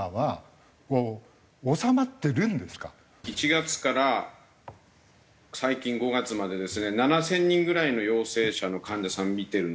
１月から最近５月までですね７０００人ぐらいの陽性者の患者さん診てるんですね。